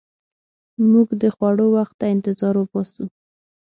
موږ د خوړو وخت ته انتظار باسو.